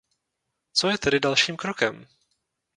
Co je tedy dalším krokem?